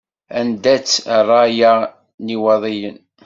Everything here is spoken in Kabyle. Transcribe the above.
Anda-tt rraya n Iwaḍiyen?